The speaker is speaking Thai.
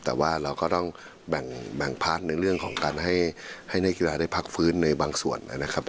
แต่ว่าเราก็ต้องแบ่งพาร์ทในเรื่องของการให้นักกีฬาได้พักฟื้นในบางส่วนนะครับ